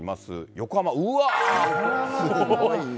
横浜、うわー、すごいな。